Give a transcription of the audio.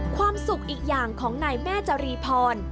ความสุขอีกอย่างของนายแม่จรีพร